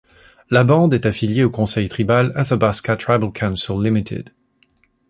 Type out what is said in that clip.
La bande est affiliée au conseil tribal Athabasca Tribal Council Limited.